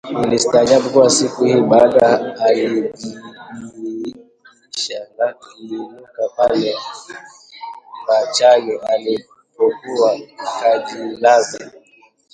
Nilistaajabu kuwa siku hii baba alijibidiisha na kuinuka pale mbachani alipokuwa kajilaza